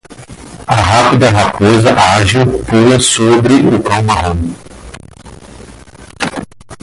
A rápida raposa ágil pula sobre o cão marrom